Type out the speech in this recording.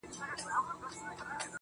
ښه دی چي يې هيچا ته سر تر غاړي ټيټ نه کړ